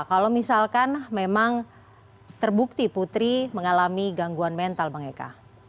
kalau misalkan memang terbukti putri mengalami gangguan mental bang eka